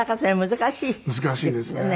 難しいですね。